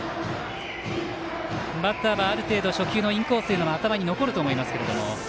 バッターはある程度初球のインコースというのは頭に残ると思いますけれど。